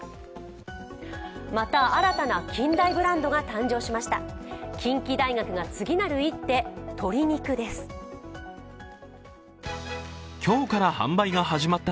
また、新たな近大ブランドが誕生しました。